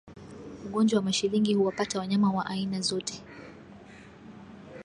Ugonjwa wa mashilingi huwapata wanyama wa aina zote